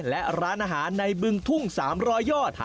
และร้านอาหารในบึงทุ่ง๓๐๐ยอด